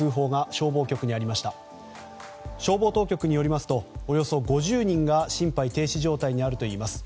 消防当局によりますとおよそ５０人が心肺停止状態にあるといいます。